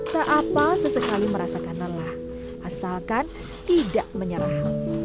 seapa sesekali merasakan lelah asalkan tidak menyerah